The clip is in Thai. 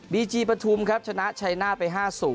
บีจีประทุมครับชนะชายน่าไป๕๐